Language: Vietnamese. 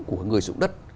của người sử dụng đất